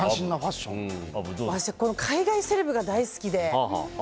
私、海外セレブが大好きで。